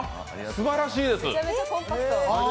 すばらしいです。